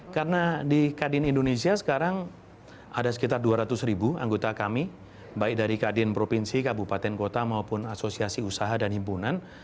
karena di kadin indonesia sekarang ada sekitar dua ratus ribu anggota kami baik dari kadin provinsi kabupaten kota maupun asosiasi usaha dan himpunan